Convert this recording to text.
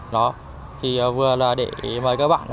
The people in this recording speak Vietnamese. đó thì vừa là để mời các bạn